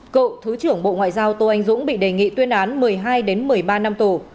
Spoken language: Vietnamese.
cựu thứ trưởng bộ ngoại giao tô anh dũng bị đề nghị tuyên án một mươi hai một mươi ba năm tù